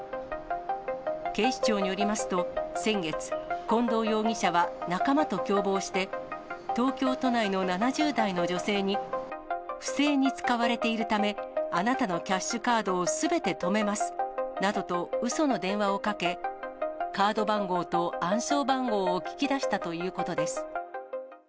警視庁によりますと、先月、近藤容疑者は仲間と共謀して、東京都内の７０代の女性に、不正に使われているため、あなたのキャッシュカードをすべて止めますなどとうその電話をかけ、カード番号と暗証番号を聞き出したということです。